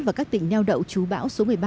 và các tỉnh neo đậu chú bão số một mươi ba